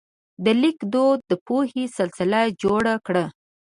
د لیک دود د پوهې سلسله جوړه کړه.